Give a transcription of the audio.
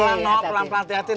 pelan pelan pelan pelan hati hati